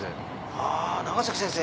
「ああ長崎先生。